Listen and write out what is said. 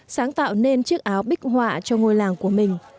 sáng tạo nên chiếc áo bích họa cho ngôi làng của mình